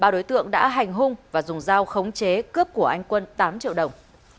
ba đối tượng đã hành hung và dùng dao khống chế cướp của anh quân tám triệu đồng